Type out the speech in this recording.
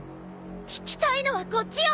聞きたいのはこっちよ！